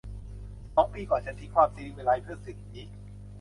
สองปีก่อน ฉันทิ้งความศิวิไลซ์เพื่อสิ่งนี้